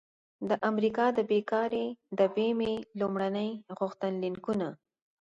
د امریکا د بیکارۍ د بیمې لومړني غوښتنلیکونه